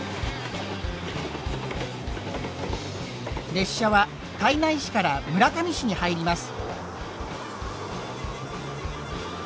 列車は胎内市から村上市に入ります。